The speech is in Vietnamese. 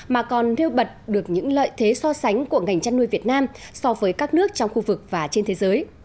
mà còn nêu bật được những lợi thế so sánh của ngành chăn nuôi việt nam so với các nước trong khu vực và trên thế giới